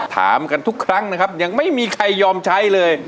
ถามกันทุกครั้งนะครับยังไม่มีใครยอมใช้เลย